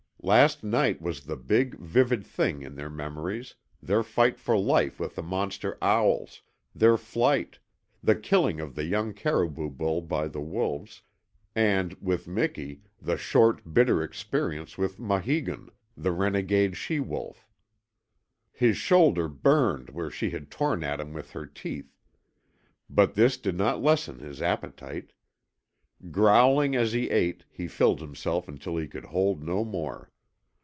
Last night was the big, vivid thing in their memories their fight for life with the monster owls, their flight, the killing of the young caribou bull by the wolves, and (with Miki) the short, bitter experience with Maheegun, the renegade she wolf. His shoulder burned where she had torn at him with her teeth. But this did not lessen his appetite. Growling as he ate, he filled himself until he could hold no more.